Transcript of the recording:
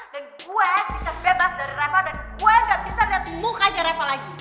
dan gue bisa bebas dari reva dan gue gak bisa liat mukanya reva lagi